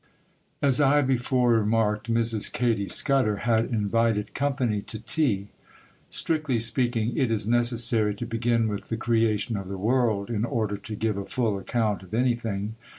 AS I before remarked, Mrs. Katy Scudder had invited company to tea. Strictly speaking, it is necessary to begin with the creation of the world, in order to give a full account of anything.